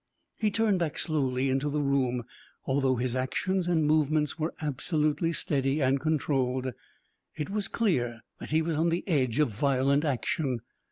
He turned back slowly into the room. Although his actions and movements were absolutely steady and controlled, it was clear that he was on the edge of violent action.